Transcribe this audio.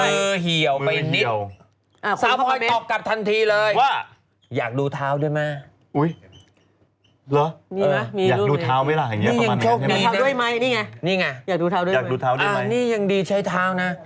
อยากดูเท้าด้วยไหมนี่ไงอยากดูเท้าด้วยไหมอยากดูเท้าด้วยไหมนี่ยังดีใช้เท้านะ